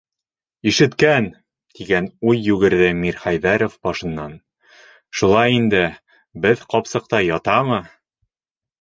«Ишеткән! - тигән уй йүгерҙе Мирхәйҙәров башынан, - Шулай инде - беҙ ҡапсыҡта ятамы?»